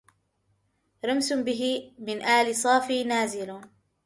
رمس به من آل صافي نازل